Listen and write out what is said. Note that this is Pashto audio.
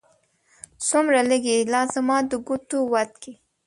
څومره لږې! لا زما د ګوتو وت کې